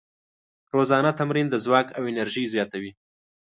روزانه تمرین د ځواک او انرژۍ زیاتوي.